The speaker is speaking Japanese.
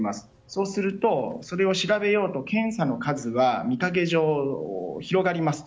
そうすると、それを調べようと検査の数は見かけ上、広がります。